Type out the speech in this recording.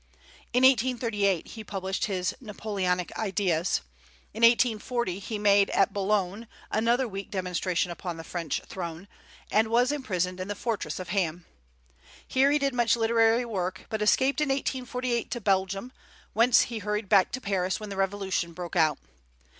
In 1838 he published his "Napoleonic Ideas;" in 1840 he made, at Boulogne, another weak demonstration upon the French throne, and was imprisoned in the fortress of Ham. Here he did much literary work, but escaped in 1848 to Belgium, whence he hurried back to Paris when the revolution broke out.